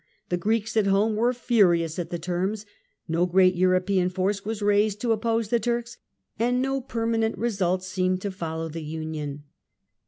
The Greeks at home were furious at the terms, no great European force was raised to oppose the Turks, and no permanent results seemed to follow the union.